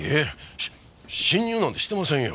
し侵入なんてしてませんよ！